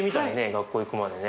学校行くまでね。